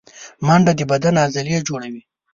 منډه د بدن عضلې جوړوي